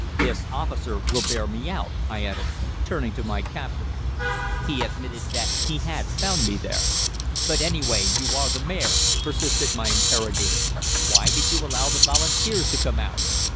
This officer will bear me out,' I added, turning to my captor. He admitted that he had found me there. "'But, anyway, you are the Mayor,' persisted my interrogator. 'Why did you allow the Volunteers to come out?'